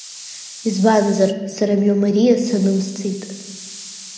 Избанзар, сара мҩа мариа санымсӡеит.